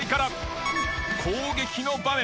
攻撃の場面。